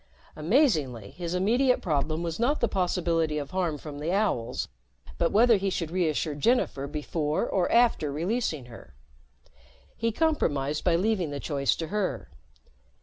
Amazingly, his immediate problem was not the possibility of harm from the owls, but whether he should reassure Jennifer before or after releasing her. He compromised by leaving the choice to her.